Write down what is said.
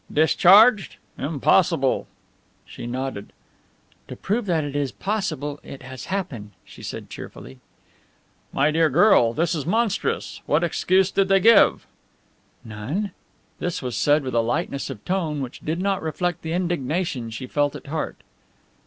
"Discharged? Impossible!" She nodded. "To prove that it is possible it has happened," she said cheerfully. "My dear girl, this is monstrous! What excuse did they give?" "None." This was said with a lightness of tone which did not reflect the indignation she felt at heart.